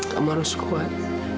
kamu harus kuat